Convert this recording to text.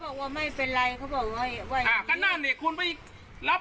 บอกว่าไม่เป็นไรเขาบอกไว้ว่ายอ่าก็นั่นนี่คุณไปรับ